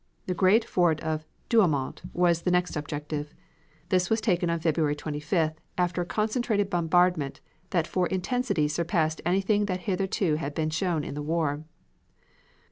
The great fort of Douaumont was the next objective. This was taken on February 25th after a concentrated bombardment that for intensity surpassed anything that heretofore had been shown in the war.